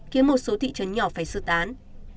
khiến một số thị trấn nhỏ phải sư tán